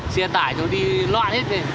xe tải nó đi loạn hết rồi